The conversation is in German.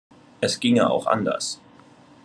Es ginge auch anders.